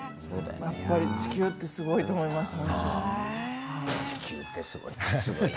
やっぱり地球ってすごいと思いました。